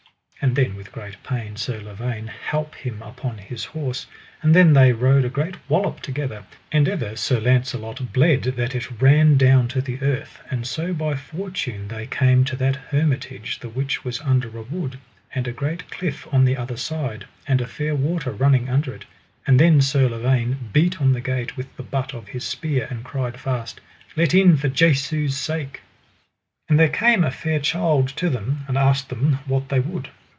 And then with great pain Sir Lavaine halp him upon his horse. And then they rode a great wallop together, and ever Sir Launcelot bled that it ran down to the earth; and so by fortune they came to that hermitage the which was under a wood, and a great cliff on the other side, and a fair water running under it. And then Sir Lavaine beat on the gate with the butt of his spear, and cried fast: Let in for Jesu's sake. And there came a fair child to them, and asked them what they would.